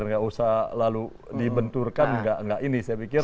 tidak usah lalu dibenturkan tidak ini saya pikir